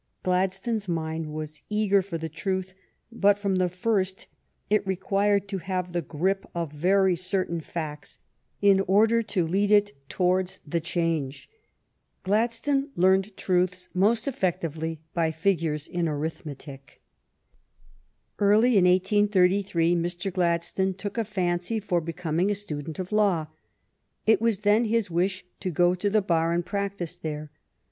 Gladstone's mind was eager for the truth, but from the first it required to have the grip of very certain facts in order to lead it on towards the change. Gladstone learned truths most effectively by figures in arithmetic. Early in 1833 Mr. Gladstone took a fancy for becoming a student of law. It was then his wish to go to the bar and practise there.